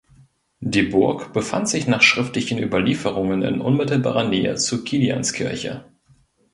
Die Burg befand sich nach schriftlichen Überlieferungen in unmittelbarer Nähe zur Kilianskirche.